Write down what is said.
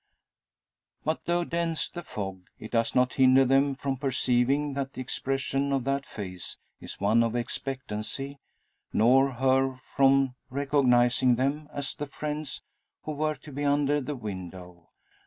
But though dense the fog, it does not hinder them from perceiving, that the expression of that face is one of expectancy; nor her from recognising them as the friends who were to be under the window.